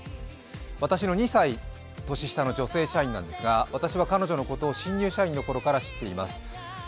私の２歳年下の女性社員なんですが私は彼女のことを新入社員のときから知っています。